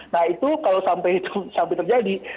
nah itu kalau sampai itu sampai terjadi